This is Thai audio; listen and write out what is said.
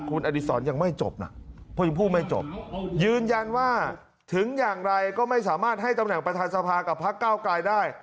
คุณอดีศรยังไม่จบนะเพิ่งพูดไม่จบยืนยันว่าถึงอย่างไรก็ไม่สามารถให้ตำแหน่งประธานสภากับพักเก้าไกลได้